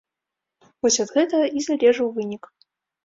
Вось ад гэтага і залежаў вынік.